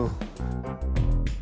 kalau mau makan nasi